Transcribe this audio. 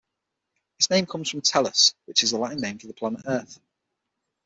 Its name comes from Tellus, which is the Latin name for the planet Earth.